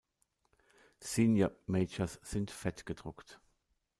Senior "Majors" sind fett gedruckt.